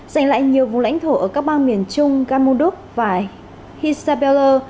giành lại nhiều vùng lãnh thổ ở các bang miền trung gamunduk và hisabella